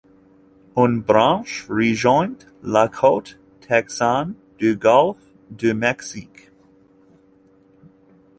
Une branche rejoint la côte texane du golfe du Mexique.